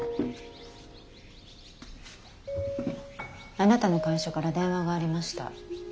あなたの会社から電話がありました。